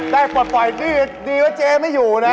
ได้พลสนี่ดีว่าเจ๊ไม่อยู่น่ะ